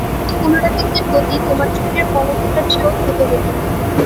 এই পুনরাবৃত্তির গতি তোমার চোখের পলক ফেলার চেয়েও দ্রুত গতির।